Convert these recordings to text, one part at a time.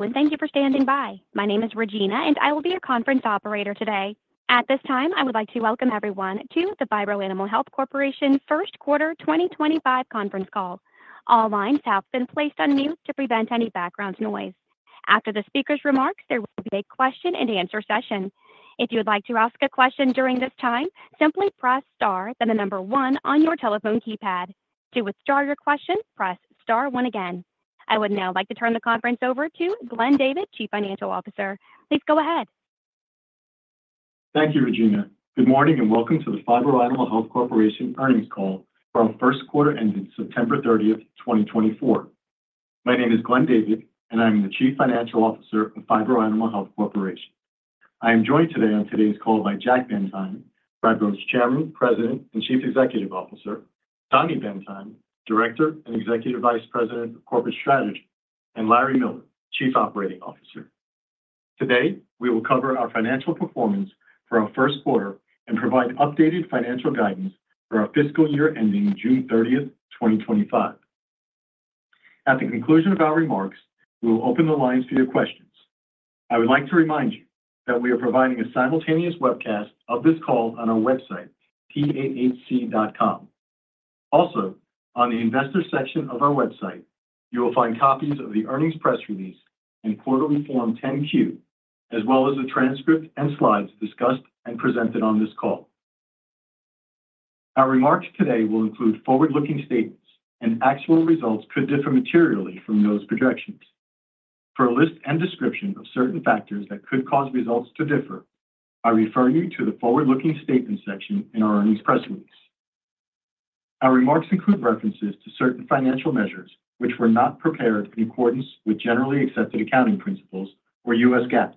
And thank you for standing by. My name is Regina, and I will be your conference operator today. At this time, I would like to Welcome Everyone to the Phibro Animal Health Corporation First Quarter 2025 Conference Call. All lines have been placed on mute to prevent any background noise. After the speaker's remarks, there will be a question-and-answer session. If you would like to ask a question during this time, simply press star, then the number one on your telephone keypad. To withdraw your question, press star one again. I would now like to turn the conference over to Glenn David, Chief Financial Officer. Please go ahead. Thank you, Regina. Good morning and welcome to the Phibro Animal Health Corporation earnings call for our first quarter ended September 30th, 2024. My name is Glenn David, and I'm the Chief Financial Officer of Phibro Animal Health Corporation. I am joined today on today's call by Jack Bendheim, Phibro's Chairman, President, and Chief Executive Officer, Dani Bendheim, Director and Executive Vice President of Corporate Strategy, and Larry Miller, Chief Operating Officer. Today, we will cover our financial performance for our first quarter and provide updated financial guidance for our fiscal year ending June 30th, 2025. At the conclusion of our remarks, we will open the lines for your questions. I would like to remind you that we are providing a simultaneous webcast of this call on our website, phibro.com. Also, on the investor section of our website, you will find copies of the earnings press release and quarterly Form 10-Q, as well as the transcript and slides discussed and presented on this call. Our remarks today will include forward-looking statements, and actual results could differ materially from those projections. For a list and description of certain factors that could cause results to differ, I refer you to the forward-looking statements section in our earnings press release. Our remarks include references to certain financial measures which were not prepared in accordance with generally accepted accounting principles or U.S. GAAP.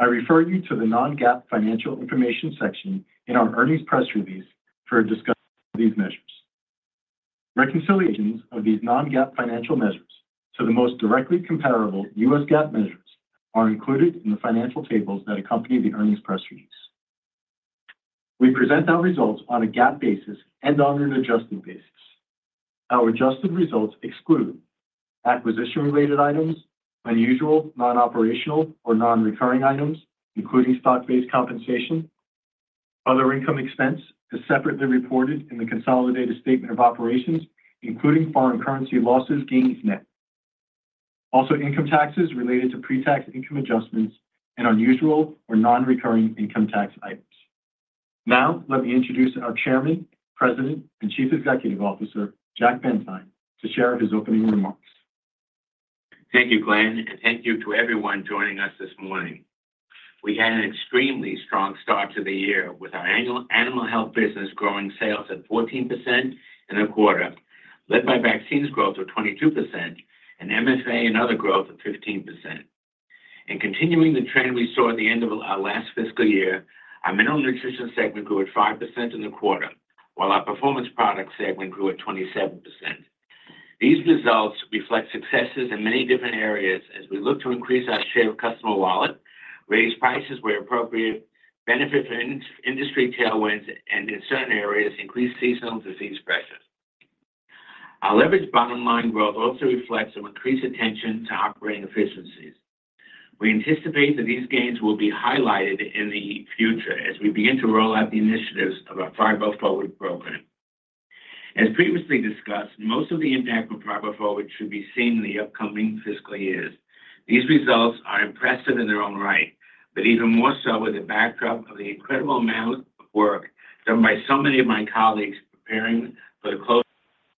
I refer you to the non-GAAP financial information section in our earnings press release for a discussion of these measures. Reconciliations of these non-GAAP financial measures to the most directly comparable U.S. GAAP measures are included in the financial tables that accompany the earnings press release. We present our results on a GAAP basis and on an adjusted basis. Our adjusted results exclude acquisition-related items, unusual non-operational or non-recurring items, including stock-based compensation. Other income expense is separately reported in the consolidated statement of operations, including foreign currency losses, gains net. Also, income taxes related to pre-tax income adjustments and unusual or non-recurring income tax items. Now, let me introduce our Chairman, President, and Chief Executive Officer, Jack Bendheim, to share his opening remarks. Thank you, Glenn, and thank you to everyone joining us this morning. We had an extremely strong start to the year with our animal health business growing sales at 14% in the quarter, led by vaccines growth of 22% and MFA and other growth of 15%. In continuing the trend we saw at the end of our last fiscal year, our mineral nutrition segment grew at 5% in the quarter, while our performance product segment grew at 27%. These results reflect successes in many different areas as we look to increase our share of customer wallet, raise prices where appropriate, benefit from industry tailwinds, and in certain areas, increase seasonal disease pressures. Our leveraged bottom line growth also reflects our increased attention to operating efficiencies. We anticipate that these gains will be highlighted in the future as we begin to roll out the initiatives of our Phibro Forward program. As previously discussed, most of the impact from Phibro Forward should be seen in the upcoming fiscal years. These results are impressive in their own right, but even more so with the backdrop of the incredible amount of work done by so many of my colleagues preparing for the close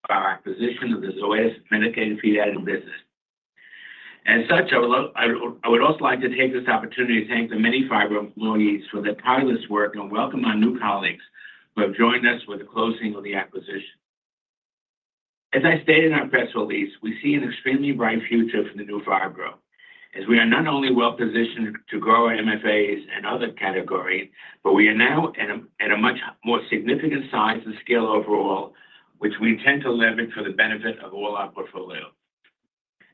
of our acquisition of the Zoetis medicated feed additive business. As such, I would also like to take this opportunity to thank the many Phibro employees for their tireless work and welcome our new colleagues who have joined us for the closing of the acquisition. As I stated in our press release, we see an extremely bright future for the new Phibro as we are not only well positioned to grow our MFAs and other categories, but we are now at a much more significant size and scale overall, which we intend to leverage for the benefit of all our portfolio.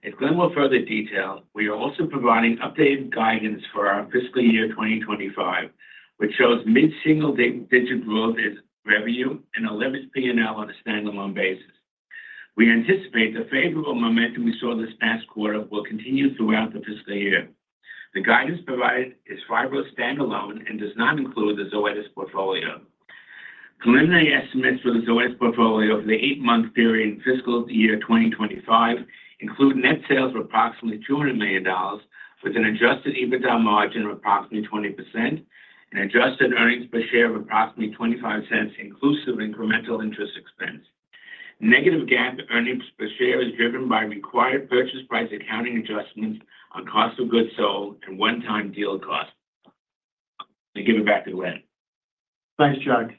As Glenn will further detail, we are also providing updated guidance for our fiscal year 2025, which shows mid-single digit growth in revenue and a leveraged P&L on a standalone basis. We anticipate the favorable momentum we saw this past quarter will continue throughout the fiscal year. The guidance provided is Phibro's standalone and does not include the Zoetis portfolio. Preliminary estimates for the Zoetis portfolio for the eight-month period in fiscal year 2025 include net sales of approximately $200 million, with an Adjusted EBITDA margin of approximately 20%, and adjusted earnings per share of approximately $0.25 inclusive of incremental interest expense. Negative GAAP earnings per share is driven by required purchase price accounting adjustments on cost of goods sold and one-time deal cost. I'm going to give it back to Glenn. Thanks, Jack.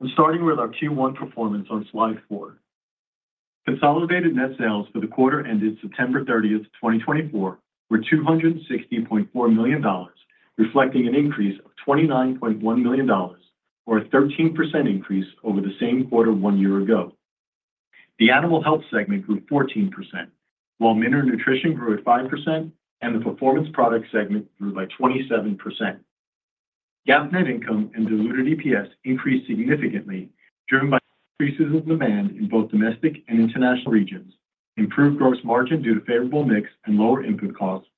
I'm starting with our Q1 performance on slide four. Consolidated net sales for the quarter ended September 30th, 2024, were $260.4 million, reflecting an increase of $29.1 million, or a 13% increase over the same quarter one year ago. The animal health segment grew 14%, while mineral nutrition grew at 5%, and the performance product segment grew by 27%. GAAP net income and diluted EPS increased significantly, driven by increases in demand in both domestic and international regions, improved gross margin due to favorable mix and lower input costs,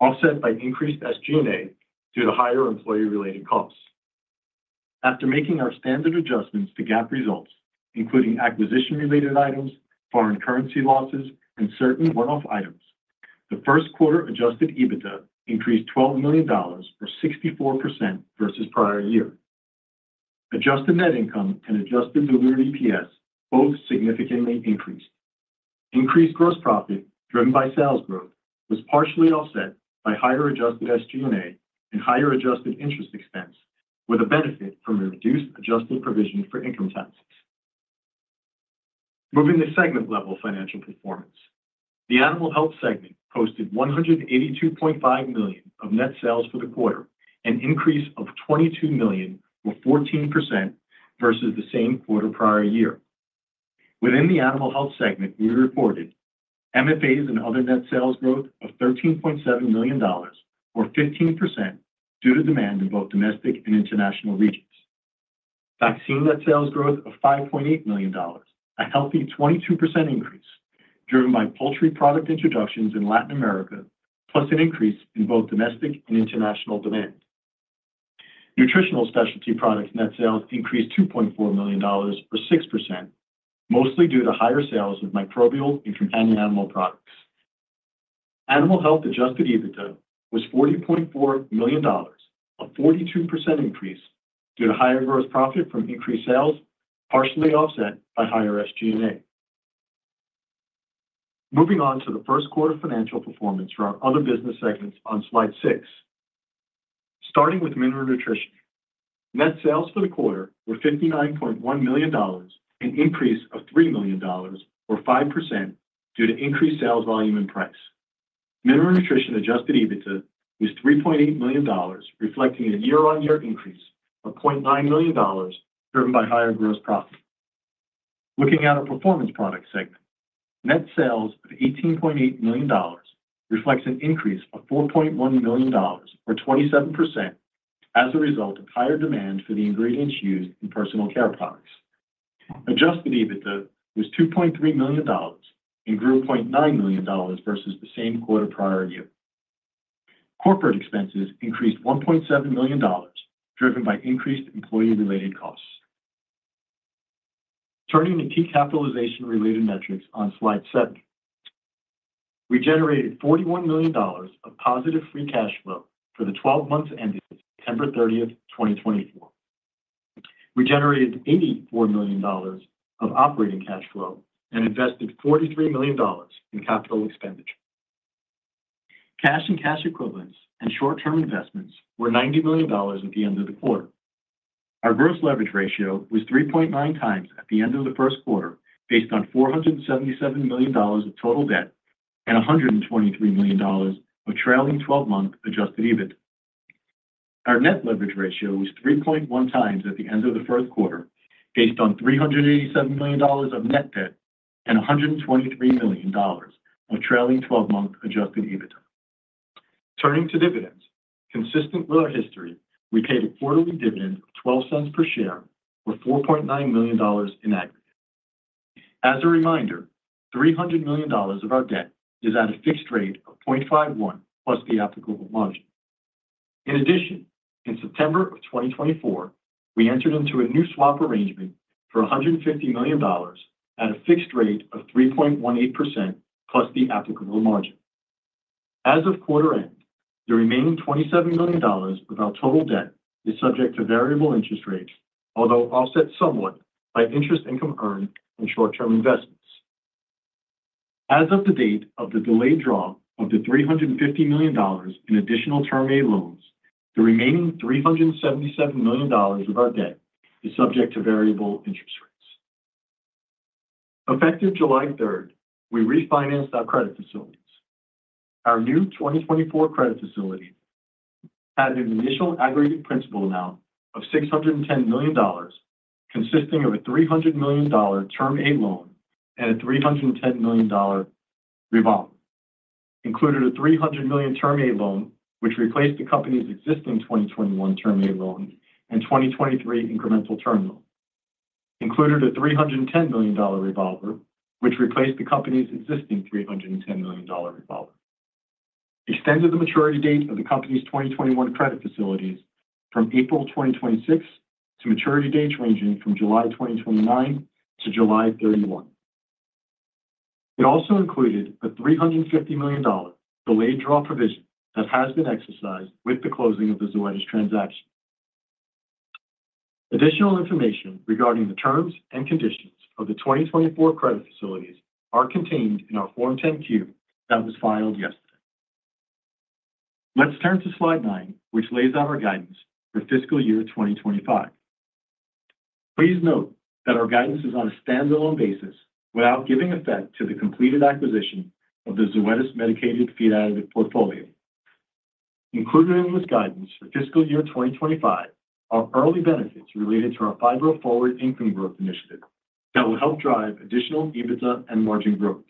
offset by increased SG&A due to higher employee-related costs. After making our standard adjustments to GAAP results, including acquisition-related items, foreign currency losses, and certain one-off items, the first quarter adjusted EBITDA increased $12 million, or 64%, versus prior year. Adjusted net income and adjusted diluted EPS both significantly increased. Increased gross profit, driven by sales growth, was partially offset by higher adjusted SG&A and higher adjusted interest expense, with a benefit from a reduced adjusted provision for income taxes. Moving to segment-level financial performance, the animal health segment posted $182.5 million of net sales for the quarter, an increase of $22 million, or 14%, versus the same quarter prior year. Within the animal health segment, we reported MFAs and other net sales growth of $13.7 million, or 15%, due to demand in both domestic and international regions. Vaccine net sales growth of $5.8 million, a healthy 22% increase, driven by poultry product introductions in Latin America, plus an increase in both domestic and international demand. Nutritional specialty products net sales increased $2.4 million, or 6%, mostly due to higher sales of microbial and companion animal products. Animal Health Adjusted EBITDA was $40.4 million, a 42% increase due to higher gross profit from increased sales, partially offset by higher SG&A. Moving on to the first quarter financial performance for our other business segments on slide six. Starting with mineral nutrition, net sales for the quarter were $59.1 million, an increase of $3 million, or 5%, due to increased sales volume and price. Mineral nutrition Adjusted EBITDA was $3.8 million, reflecting a year-on-year increase of $0.9 million, driven by higher gross profit. Looking at our performance product segment, net sales of $18.8 million reflects an increase of $4.1 million, or 27%, as a result of higher demand for the ingredients used in personal care products. Adjusted EBITDA was $2.3 million and grew $0.9 million versus the same quarter prior year. Corporate expenses increased $1.7 million, driven by increased employee-related costs. Turning to key capitalization-related metrics on slide seven, we generated $41 million of positive free cash flow for the 12 months ended September 30th, 2024. We generated $84 million of operating cash flow and invested $43 million in capital expenditure. Cash and cash equivalents and short-term investments were $90 million at the end of the quarter. Our gross leverage ratio was 3.9 times at the end of the first quarter, based on $477 million of total debt and $123 million of trailing 12-month adjusted EBITDA. Our net leverage ratio was 3.1 times at the end of the first quarter, based on $387 million of net debt and $123 million of trailing 12-month adjusted EBITDA. Turning to dividends, consistent with our history, we paid a quarterly dividend of $0.12 per share, or $4.9 million in aggregate. As a reminder, $300 million of our debt is at a fixed rate of 0.51% plus the applicable margin. In addition, in September of 2024, we entered into a new swap arrangement for $150 million at a fixed rate of 3.18% plus the applicable margin. As of quarter end, the remaining $27 million of our total debt is subject to variable interest rates, although offset somewhat by interest income earned in short-term investments. As of the date of the delayed draw of the $350 million in additional Term Loan A, the remaining $377 million of our debt is subject to variable interest rates. Effective July 3rd, we refinanced our credit facilities. Our new 2024 credit facility had an initial aggregate principal amount of $610 million, consisting of a $300 million Term Loan A and a $310 million revolver. Included a $300 million Term Loan A, which replaced the company's existing 2021 Term Loan A and 2023 incremental term loan. Included a $310 million revolver, which replaced the company's existing $310 million revolver. Extended the maturity date of the company's 2021 credit facilities from April 2026 to maturity dates ranging from July 2029 to July 31. It also included a $350 million delayed draw term loan that has been exercised with the closing of the Zoetis transaction. Additional information regarding the terms and conditions of the 2024 credit facilities are contained in our Form 10-Q that was filed yesterday. Let's turn to slide nine, which lays out our guidance for fiscal year 2025. Please note that our guidance is on a standalone basis without giving effect to the completed acquisition of the Zoetis medicated feed additive portfolio. Included in this guidance for fiscal year 2025 are early benefits related to our Phibro Forward income growth initiative that will help drive additional EBITDA and margin growth.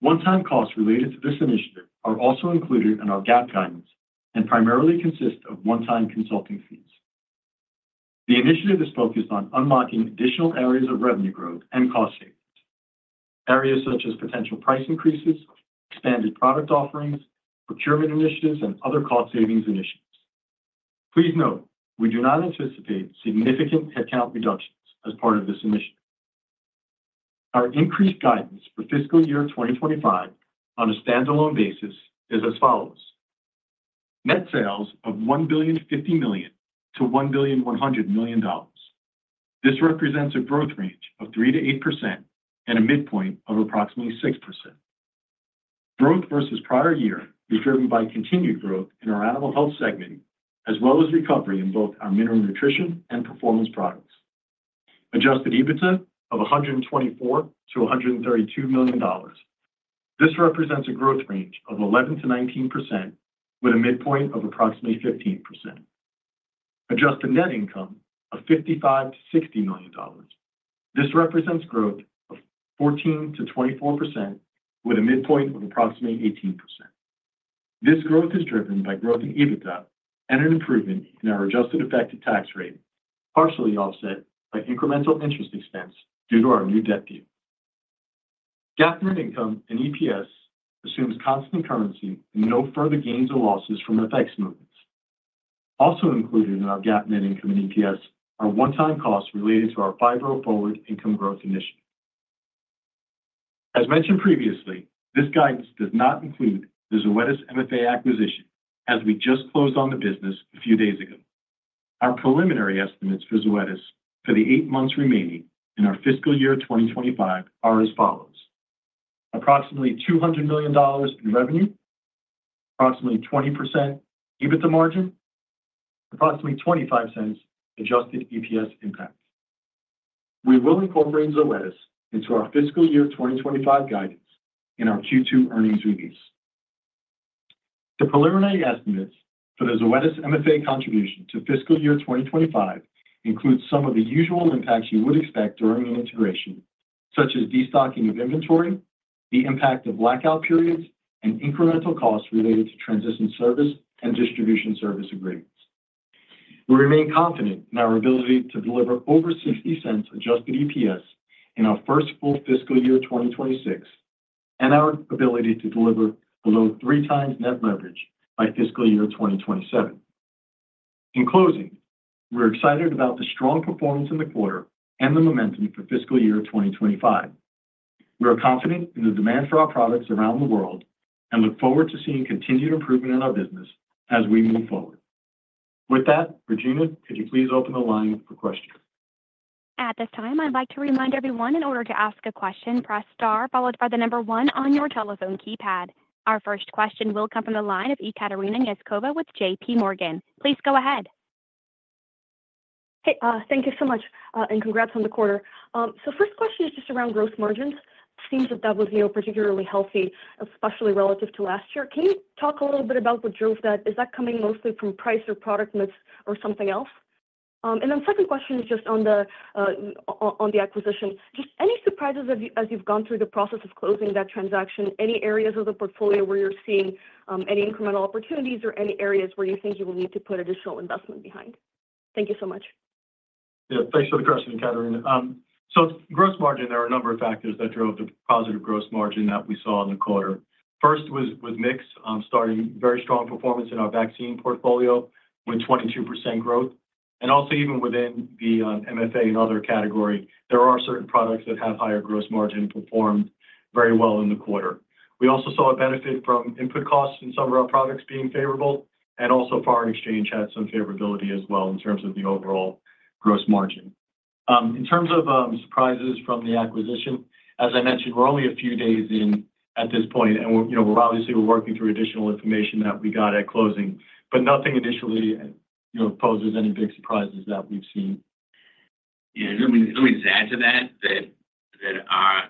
One-time costs related to this initiative are also included in our GAAP guidance and primarily consist of one-time consulting fees. The initiative is focused on unlocking additional areas of revenue growth and cost savings, areas such as potential price increases, expanded product offerings, procurement initiatives, and other cost savings initiatives. Please note, we do not anticipate significant headcount reductions as part of this initiative. Our increased guidance for fiscal year 2025 on a standalone basis is as follows: net sales of $1.05 billion-$1.1 billion. This represents a growth range of 3%-8% and a midpoint of approximately 6%. Growth versus prior year is driven by continued growth in our animal health segment, as well as recovery in both our mineral nutrition and performance products. Adjusted EBITDA of $124,000,000-$132,000,000. This represents a growth range of 11%-19%, with a midpoint of approximately 15%. Adjusted net income of $55,000,000-$60,000,000. This represents growth of 14%-24%, with a midpoint of approximately 18%. This growth is driven by growth in EBITDA and an improvement in our adjusted effective tax rate, partially offset by incremental interest expense due to our new debt deal. GAAP net income and EPS assumes constant currency and no further gains or losses from FX movements. Also included in our GAAP net income and EPS are one-time costs related to our Phibro Forward income growth initiative. As mentioned previously, this guidance does not include the Zoetis MFA acquisition, as we just closed on the business a few days ago. Our preliminary estimates for Zoetis for the eight months remaining in our fiscal year 2025 are as follows: approximately $200 million in revenue, approximately 20% EBITDA margin, approximately $0.25 adjusted EPS impact. We will incorporate Zoetis into our fiscal year 2025 guidance in our Q2 earnings release. The preliminary estimates for the Zoetis MFA contribution to fiscal year 2025 include some of the usual impacts you would expect during an integration, such as destocking of inventory, the impact of blackout periods, and incremental costs related to transition service and distribution service agreements. We remain confident in our ability to deliver over $0.60 adjusted EPS in our first full fiscal year 2026 and our ability to deliver below three times net leverage by fiscal year 2027. In closing, we're excited about the strong performance in the quarter and the momentum for fiscal year 2025. We are confident in the demand for our products around the world and look forward to seeing continued improvement in our business as we move forward. With that, Regina, could you please open the line for questions? At this time, I'd like to remind everyone in order to ask a question, press star followed by the number one on your telephone keypad. Our first question will come from the line of Ekaterina Knyazkova with J.P. Morgan. Please go ahead. Hey, thank you so much, and congrats on the quarter. So first question is just around gross margins. Seems that that was particularly healthy, especially relative to last year. Can you talk a little bit about what drove that? Is that coming mostly from price or product mix or something else? And then second question is just on the acquisition. Just any surprises as you've gone through the process of closing that transaction? Any areas of the portfolio where you're seeing any incremental opportunities or any areas where you think you will need to put additional investment behind? Thank you so much. Yeah, thanks for the question, Ekaterina. So gross margin, there are a number of factors that drove the positive gross margin that we saw in the quarter. First was mix, starting very strong performance in our vaccine portfolio with 22% growth. And also, even within the MFA and other category, there are certain products that have higher gross margin performed very well in the quarter. We also saw a benefit from input costs in some of our products being favorable, and also foreign exchange had some favorability as well in terms of the overall gross margin. In terms of surprises from the acquisition, as I mentioned, we're only a few days in at this point, and we're obviously working through additional information that we got at closing, but nothing initially poses any big surprises that we've seen. Yeah, let me just add to that that our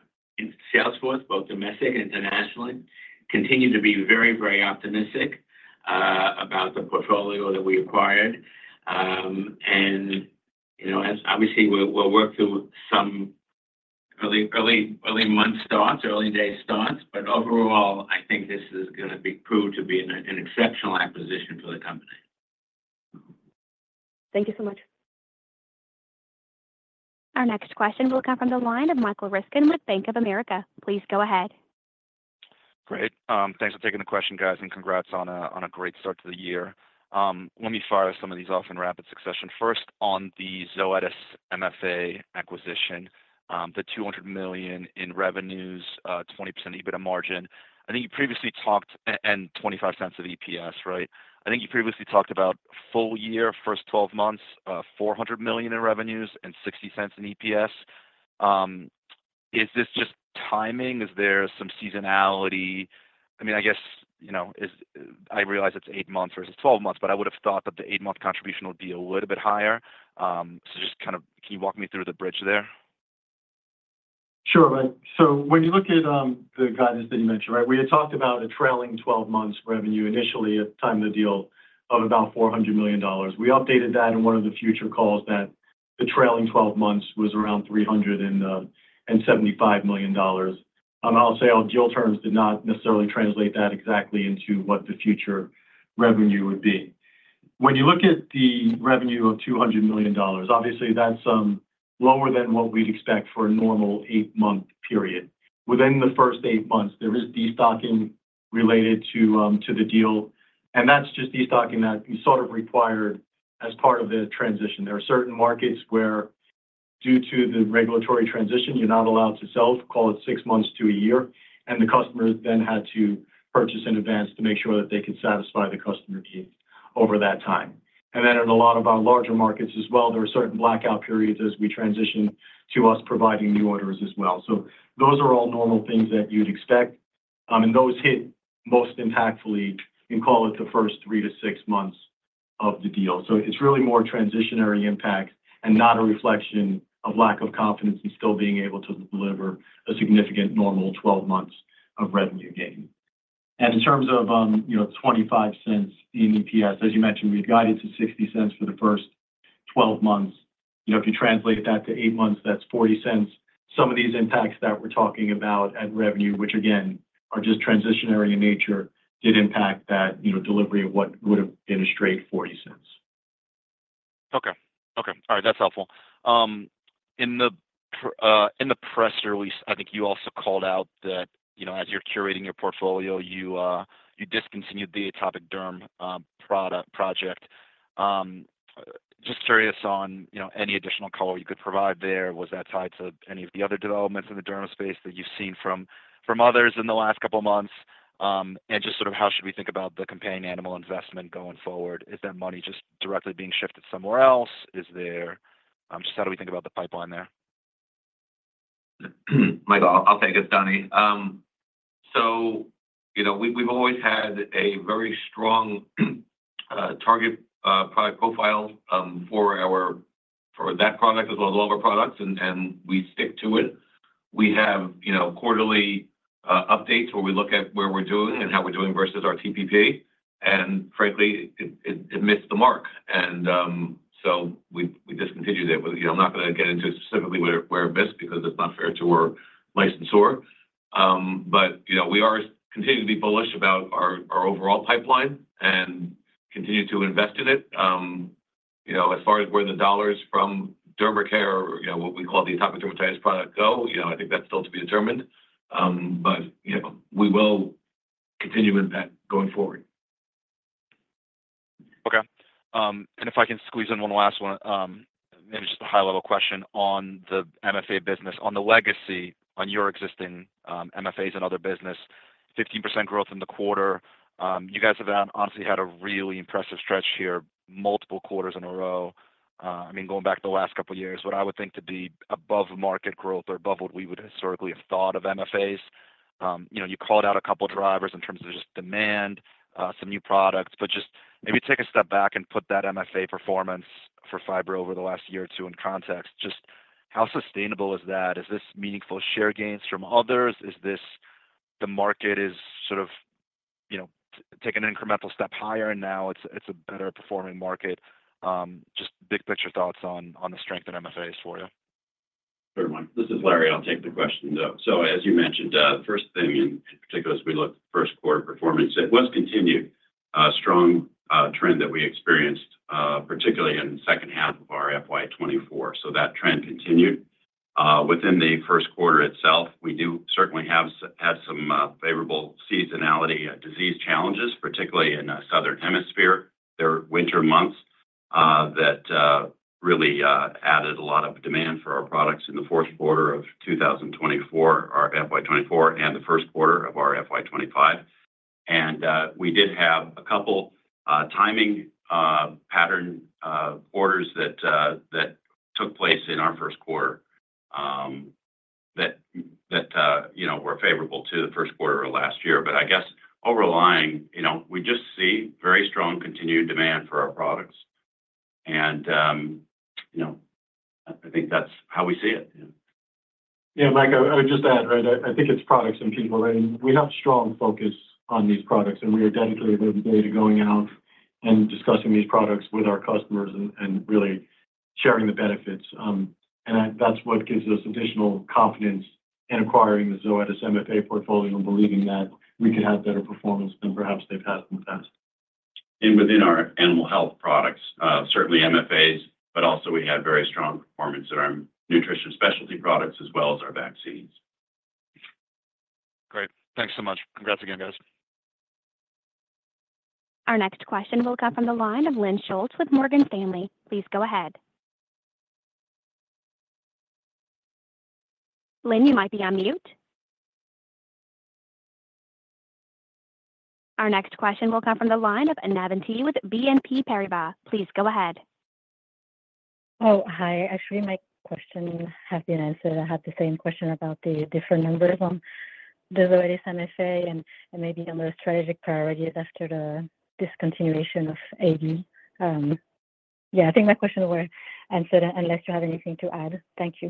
sales force, both domestic and internationally, continue to be very, very optimistic about the portfolio that we acquired, and obviously, we'll work through some early month starts, early day starts, but overall, I think this is going to prove to be an exceptional acquisition for the company. Thank you so much. Our next question will come from the line of Michael Ryskin with Bank of America. Please go ahead. Great. Thanks for taking the question, guys, and congrats on a great start to the year. Let me fire some of these off in rapid succession. First, on the Zoetis MFA acquisition, the $200 million in revenues, 20% EBITDA margin. I think you previously talked and $0.25 of EPS, right? I think you previously talked about full year, first 12 months, $400 million in revenues and $0.60 in EPS. Is this just timing? Is there some seasonality? I mean, I guess I realize it's eight months versus 12 months, but I would have thought that the eight-month contribution would be a little bit higher. So just kind of can you walk me through the bridge there? Sure. So when you look at the guidance that you mentioned, right, we had talked about a trailing 12-month revenue initially at the time of the deal of about $400 million. We updated that in one of the future calls that the trailing 12 months was around $375 million. I'll say our deal terms did not necessarily translate that exactly into what the future revenue would be. When you look at the revenue of $200 million, obviously, that's lower than what we'd expect for a normal eight-month period. Within the first eight months, there is destocking related to the deal, and that's just destocking that we sort of required as part of the transition. There are certain markets where, due to the regulatory transition, you're not allowed to sell, call it six months to a year, and the customers then had to purchase in advance to make sure that they could satisfy the customer needs over that time, and then in a lot of our larger markets as well, there are certain blackout periods as we transition to us providing new orders as well, so those are all normal things that you'd expect, and those hit most impactfully, you can call it the first three to six months of the deal, so it's really more transitionary impact and not a reflection of lack of confidence in still being able to deliver a significant normal 12-month revenue gain, and in terms of $0.25 in EPS, as you mentioned, we had guided to $0.60 for the first 12 months. If you translate that to eight months, that's $0.40. Some of these impacts that we're talking about at revenue, which again, are just transitory in nature, did impact that delivery of what would have been a straight $0.40. Okay. All right. That's helpful. In the press release, I think you also called out that as you're curating your portfolio, you discontinued the atopic dermatitis project. Just curious on any additional color you could provide there. Was that tied to any of the other developments in the dermatology space that you've seen from others in the last couple of months? And just sort of how should we think about the companion animal investment going forward? Is that money just directly being shifted somewhere else? Just how do we think about the pipeline there? Michael, I'll take it, Dani, so we've always had a very strong target product profile for that product as well as all of our products, and we stick to it. We have quarterly updates where we look at where we're doing and how we're doing versus our TPP, and frankly, it missed the mark, and so we discontinued it. I'm not going to get into specifically where it missed because it's not fair to our licensor, but we are continuing to be bullish about our overall pipeline and continue to invest in it. As far as where the dollars from Dermacare, what we call the atopic dermatitis product, go, I think that's still to be determined, but we will continue with that going forward. Okay. And if I can squeeze in one last one, maybe just a high-level question on the MFA business, on the legacy on your existing MFAs and other business, 15% growth in the quarter. You guys have honestly had a really impressive stretch here, multiple quarters in a row. I mean, going back the last couple of years, what I would think to be above market growth or above what we would historically have thought of MFAs. You called out a couple of drivers in terms of just demand, some new products, but just maybe take a step back and put that MFA performance for Phibro over the last year or two in context. Just how sustainable is that? Is this meaningful share gains from others? Is this the market is sort of taking an incremental step higher, and now it's a better performing market? Just big picture thoughts on the strength of MFAs for you. Sure, Mike. This is Larry. I'll take the question. So as you mentioned, the first thing in particular as we look at first quarter performance, it was continued strong trend that we experienced, particularly in the second half of our FY24. So that trend continued. Within the first quarter itself, we do certainly have had some favorable seasonality disease challenges, particularly in the Southern Hemisphere. There are winter months that really added a lot of demand for our products in the fourth quarter of 2024, our FY24, and the first quarter of our FY25. And we did have a couple of timing pattern orders that took place in our first quarter that were favorable to the first quarter of last year. But I guess overlying, we just see very strong continued demand for our products. And I think that's how we see it. Yeah, Mike, I would just add, right? I think it's products and people. We have a strong focus on these products, and we are dedicated every day to going out and discussing these products with our customers and really sharing the benefits. And that's what gives us additional confidence in acquiring the Zoetis MFA portfolio and believing that we could have better performance than perhaps they've had in the past. Within our animal health products, certainly MFAs, but also we have very strong performance in our nutrition specialty products as well as our vaccines. Great. Thanks so much. Congrats again, guys. Our next question will come from the line of Lynn Schultz with Morgan Stanley. Please go ahead. Lynn, you might be on mute. Our next question will come from the line of Enav Patrick with BNP Paribas. Please go ahead. Oh, hi. Actually, my question has been answered. I had the same question about the different numbers on the Zoetis MFA and maybe on the strategic priorities after the discontinuation of AD. Yeah, I think my question was answered unless you have anything to add. Thank you.